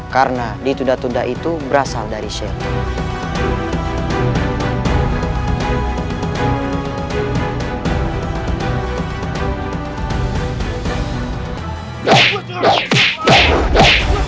karena ditunda tunda itu berasal dari syaitan